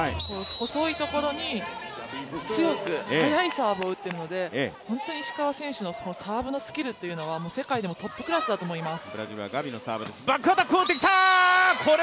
細いところに強く速いサーブを打っているので本当に石川選手のサーブのスキルというのは、世界でもトップクラスだと思います。